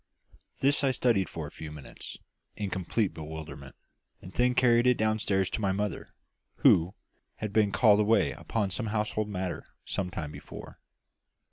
This I studied for a few minutes, in complete bewilderment, and then carried it downstairs to my mother, who had been called away upon some household matter some time before.